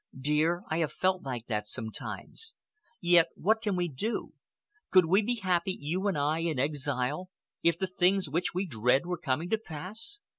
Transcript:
"Dear, I have felt like that sometimes, yet what can we do? Could we be happy, you and I, in exile, if the things which we dread were coming to pass?